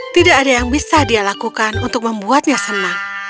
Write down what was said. tidak ada yang bisa dia lakukan untuk membuatnya senang